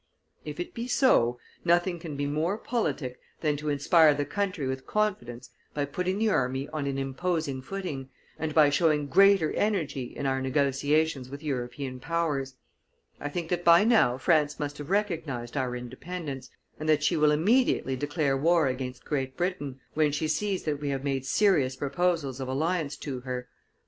If it be so, nothing can be more politic than to inspire the country with confidence by putting the army on an imposing footing, and by showing greater energy in our negotiations with European powers. I think that by now France must have recognized our independence, and that she will immediately declare war against Great Britain, when she sees that we have made serious proposals of alliance to her.